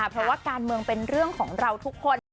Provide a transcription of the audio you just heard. เป็นเรื่องของเราทุกคน